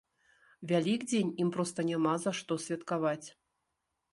Вялікдзень ім проста няма за што святкаваць.